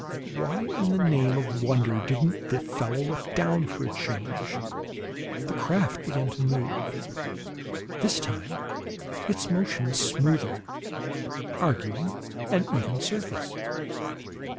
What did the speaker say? Why in the name of wonder didn't the fellow look down, for a change? The craft began to move. This time its motion was smoother arguing an even surface.